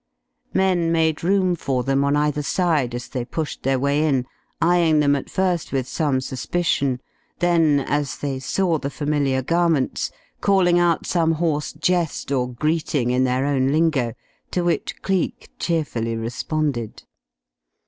Men made room for them on either side, as they pushed their way in, eyeing them at first with some suspicion, then, as they saw the familiar garments, calling out some hoarse jest or greeting in their own lingo, to which Cleek cheerfully responded.